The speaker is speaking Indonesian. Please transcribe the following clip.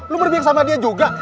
lu berbiak sama dia juga